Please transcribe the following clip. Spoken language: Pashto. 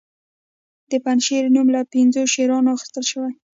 د پنجشیر نوم له پنځو شیرانو اخیستل شوی